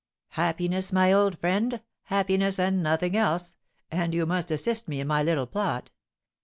"Happiness, my old friend, happiness, and nothing else; and you must assist me in my little plot.